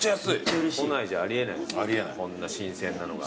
こんな新鮮なのが。